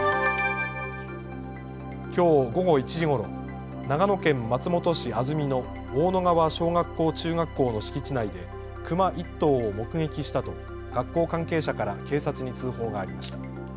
きょう午後１時ごろ長野県松本市安曇の大野川小学校・中学校の敷地内でクマ１頭を目撃したと学校関係者から警察に通報がありました。